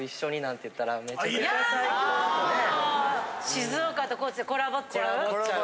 静岡と高知でコラボっちゃう？